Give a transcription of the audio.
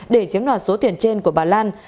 để giếm đoạt số tiền trên của bà lan